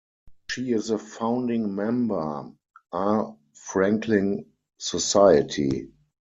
She is a founding member R. Franklin Society.